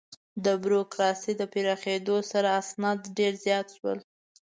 د بروکراسي د پراخېدو سره، اسناد ډېر زیات شول.